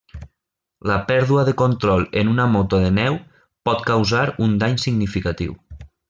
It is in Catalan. La pèrdua de control en una moto de neu pot causar un dany significatiu.